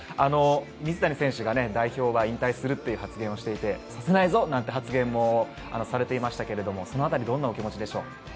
水谷選手が代表は引退するという発言をしていてさせないぞなんて発言もされていましたがその辺りどんなお気持ちでしょう。